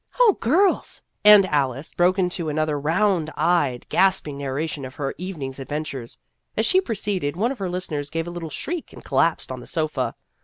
" Oh, girls !" and Alice broke into an other round eyed, gasping narration of her evening's adventures. As she proceeded, one of her listeners gave a little shriek, and collapsed on the sofa.